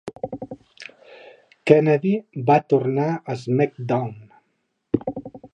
Kennedy va tornar a SmackDown!